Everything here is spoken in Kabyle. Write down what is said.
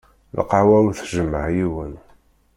Lqahwa ur tjemmeε yiwen.